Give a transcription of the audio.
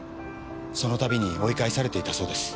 そのたびに追い返されていたそうです。